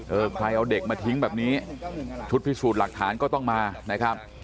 เออใครเอาเด็กมาทิ้งแบบนี้ชุดพิสูจน์หลักฐานก็ต้องมานะครับ